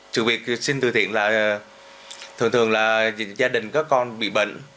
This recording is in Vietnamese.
trừ việc xin tư thiện là thường thường là gia đình có con bị bệnh